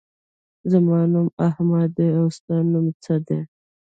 زما نوم احمد دی. او ستا نوم څه دی؟